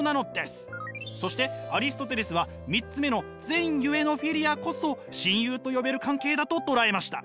そしてアリストテレスは３つ目の善ゆえのフィリアこそ親友と呼べる関係だと捉えました。